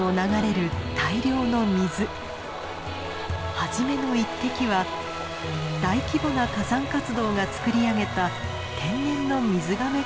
初めの一滴は大規模な火山活動がつくり上げた天然の水がめからだったんですね。